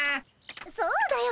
そうだよ